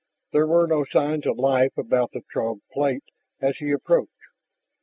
There were no signs of life about the Throg plate as he approached.